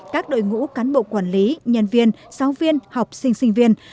các đội ngũ cán bộ quản lý nhân viên giáo viên học sinh sinh viên